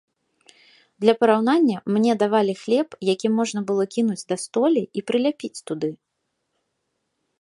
Для параўнання, мне давалі хлеб, які можна было кінуць да столі і прыляпіць туды.